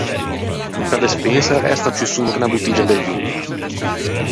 Inta despensa arresta ciù solo che unna bottiggia de vin.